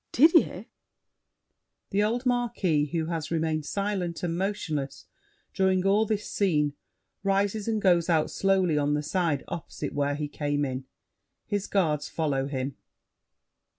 Didier? [The old Marquis, who has remained silent and motionless during all this scene, rises and goes out slowly on the side opposite where he came in. His guards follow him.